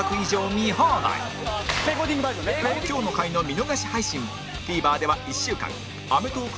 今日の回の見逃し配信も ＴＶｅｒ では１週間アメトーーク